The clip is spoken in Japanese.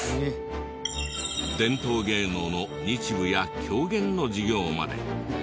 伝統芸能の日舞や狂言の授業まで。